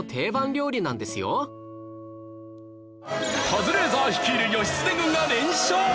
カズレーザー率いる義経軍が連勝！